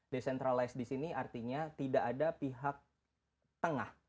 decentralized di sini artinya tidak ada pihak tengah